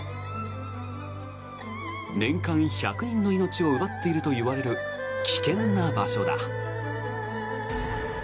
年間１００人の命を奪っているといわれる危険な場所だ。